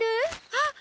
あっ！